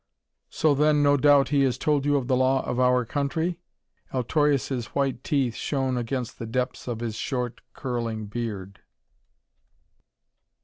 "So, then, no doubt, he has told you of the law of our country?" Altorius' white teeth shown again in the depths of his short, curling beard.